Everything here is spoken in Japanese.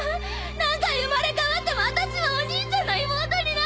何回生まれ変わってもあたしはお兄ちゃんの妹になる！